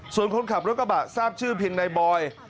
ส่วนคนขับรถกระบะทราบชื่อเพียงนายบอย